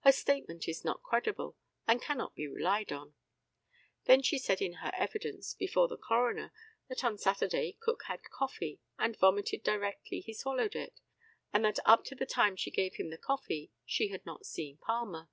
Her statement is not credible and cannot be relied on. Then she said in her evidence before the coroner that on Saturday Cook had coffee and vomited directly he swallowed it, and that up to the time she gave him the coffee she had not seen Palmer.